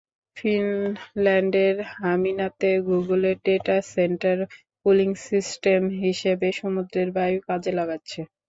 ফিনল্যান্ডের হামিনাতে গুগলের data centre cooling system হিসেবে সমুদ্রের বায়ু কাজে লাগাচ্ছে।